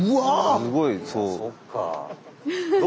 すごいそう。